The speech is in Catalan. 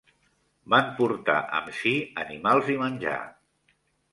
Van portar amb si animals i menjar.